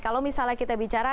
kalau misalnya kita bicara